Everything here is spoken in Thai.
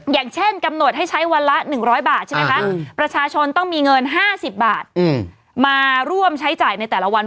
อย่างเช่นกำหนดให้ใช้วันละ๑๐๐บาทใช่ไหมคะประชาชนต้องมีเงิน๕๐บาทมาร่วมใช้จ่ายในแต่ละวัน